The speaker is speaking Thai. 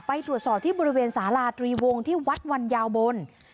ไปตรวจสอบที่บริเวณสาราตรีวงที่วัดวันยาวบน